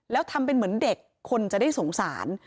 แล้วทำเป็นเหมือนเด็กคนจะได้สงสาร